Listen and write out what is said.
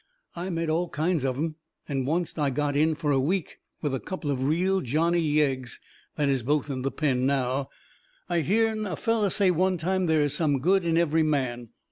I met all kinds of 'em, and oncet I got in fur a week with a couple of real Johnny Yeggs that is both in the pen now. I hearn a feller say one time there is some good in every man.